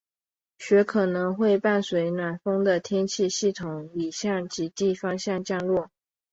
雪可能会伴随着暖锋的天气系统里向极地方向降落。